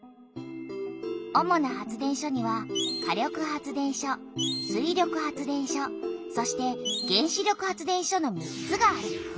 主な発電所には火力発電所水力発電所そして原子力発電所の３つがある。